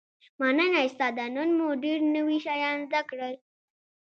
مننه استاده نن مو ډیر نوي شیان زده کړل